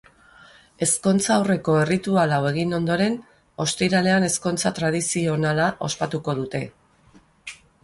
Ezkontza aurreko erritual hau egin ondoren, ostiralean ezkontza tradizionala ospatuko dute.